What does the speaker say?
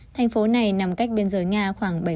thành phố này nằm cách biên giới nga khoảng